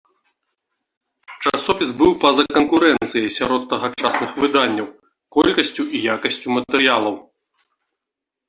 Часопіс быў па-за канкурэнцыяй, сярод тагачасных выданняў, колькасцю і якасцю матэрыялаў.